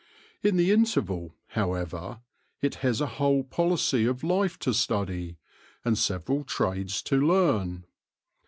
In the interval, however, it has a whole policy of life to study, and several trades to learn.